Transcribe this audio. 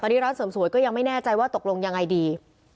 ตอนนี้ร้านเสริมสวยก็ยังไม่แน่ใจว่าตกลงยังไงดี